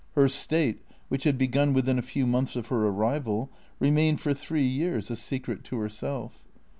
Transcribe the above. Her state, which had begun within a few months of her arrival, remained for three years a secret to herself.